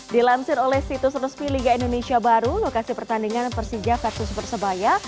dilansir oleh situs resmi liga indonesia baru lokasi pertandingan persija versus persebaya